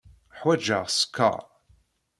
Ḥwajeɣ sskeṛ.